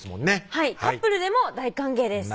はいカップルでも大歓迎です